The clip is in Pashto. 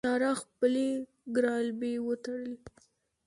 سارا خپلې ګرالبې وتړلې.